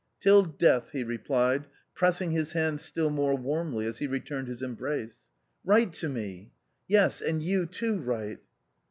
"Till death," he replied, pressing his hand still more warmly as he returned his embrace. " Write to me !"" Yes, and you too write."